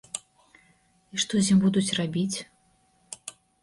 І што з ім будуць рабіць?